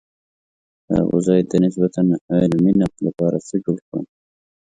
د ابوزید د نسبتاً علمي نقد لپاره څه جوړ کړم.